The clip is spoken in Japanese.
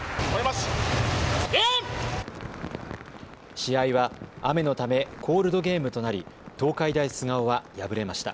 試合は雨のためコールドゲームとなり東海大菅生は敗れました。